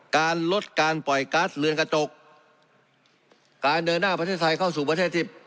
การลดการปล่อยกัสเรือนกระจกการเดินหน้าประเทศไทยเข้าสู่ประเทศที่